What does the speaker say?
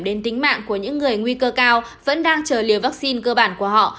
đến tính mạng của những người nguy cơ cao vẫn đang chờ liều vaccine cơ bản của họ